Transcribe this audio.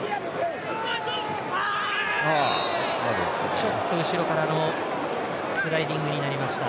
ちょっと後ろからのスライディングになりました。